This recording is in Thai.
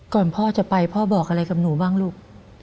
พ่อจะไปพ่อบอกอะไรกับหนูบ้างลูก